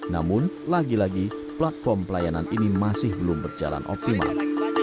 namun lagi lagi platform pelayanan ini masih belum berjalan optimal